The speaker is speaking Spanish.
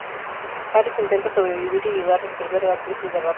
Harris intenta sobrevivir y ayudar a resolver a la crisis de las ratas.